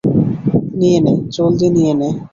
নিয়ে নে, জলদি নিয়ে নে!